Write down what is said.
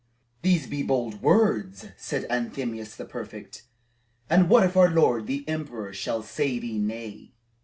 "These be bold words," said Anthemius the prefect. "And what if our lord the emperor shall say thee nay?"